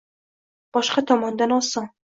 boshqa tomondan oson.